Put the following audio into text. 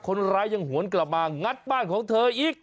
คนร้ายยังหวนกลับมางัดบ้านของเธออีก